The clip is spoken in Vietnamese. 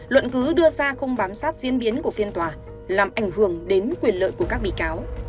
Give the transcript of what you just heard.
luận cứ đưa ra không bám sát diễn biến của phiên tòa làm ảnh hưởng đến quyền lợi của các bị cáo